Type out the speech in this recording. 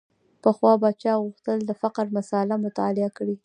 پخوا به چا غوښتل د فقر مسأله مطالعه کړي.